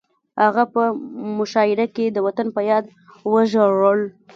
هغه په مشاعره کې د وطن په یاد وژړل